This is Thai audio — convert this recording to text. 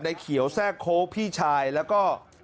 เขียวแทรกโค้กพี่ชายแล้วก็